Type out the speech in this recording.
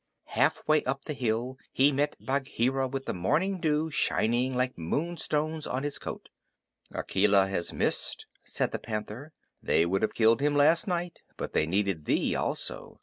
Halfway up the hill he met Bagheera with the morning dew shining like moonstones on his coat. "Akela has missed," said the Panther. "They would have killed him last night, but they needed thee also.